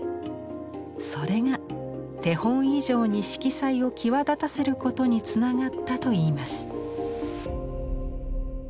それが手本以上に色彩を際立たせることにつながったといいます。